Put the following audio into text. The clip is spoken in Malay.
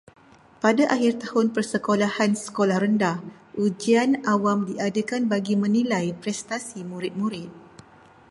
Pada akhir tahun persekolahan sekolah rendah, ujian awam diadakan bagi menilai prestasi murid-murid.